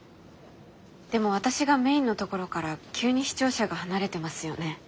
でも私がメインのところから急に視聴者が離れてますよね。